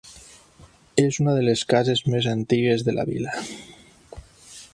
És una de les cases més antigues de la vila.